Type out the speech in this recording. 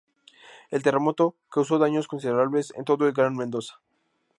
El terremoto causó daños considerables en todo el Gran Mendoza.